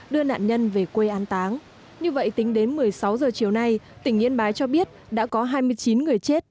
đưa nạn nhân về quê an táng như vậy tính đến một mươi sáu giờ chiều nay tỉnh yên bái cho biết đã có hai mươi chín người chết